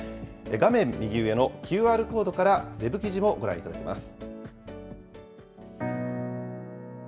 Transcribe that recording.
画面右上のＱＲコードからウェブ記事もご覧いただけます。